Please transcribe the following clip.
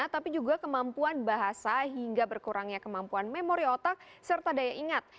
tapi juga kemampuan bahasa hingga berkurangnya kemampuan memori otak serta daya ingat